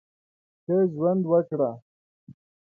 ښه ژوند وکړه !